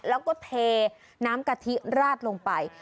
แล้วก็เทน้ำกะทิราดลงไป